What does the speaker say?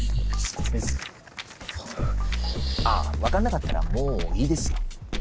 あっ分かんなかったらもういいですよ。